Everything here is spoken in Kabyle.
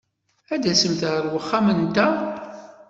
Ad tasemt ɣer wexxam-nteɣ?